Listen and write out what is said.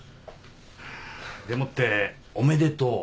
でもっておめでとう。